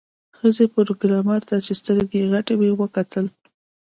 ښځې پروګرامر ته چې سترګې یې غټې وې وکتل